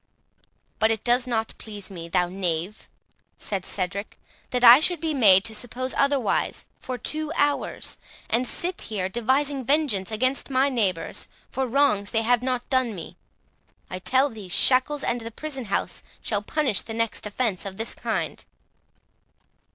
"But it does not please me, thou knave," said Cedric, "that I should be made to suppose otherwise for two hours, and sit here devising vengeance against my neighbours for wrongs they have not done me. I tell thee, shackles and the prison house shall punish the next offence of this kind."